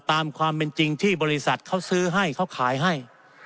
ตามความเป็นจริงที่บริษัทเขาซื้อให้เขาขายให้